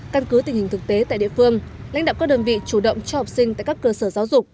căn cứ tình hình thực tế tại địa phương lãnh đạo các đơn vị chủ động cho học sinh tại các cơ sở giáo dục